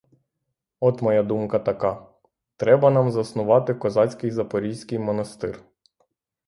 От моя думка така: треба нам заснувати козацький, запорізький монастир.